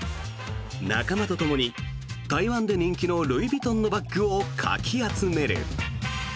仲間とともに台湾で人気のルイ・ヴィトンのバッグをかき集める。